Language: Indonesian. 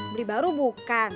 beli baru bukan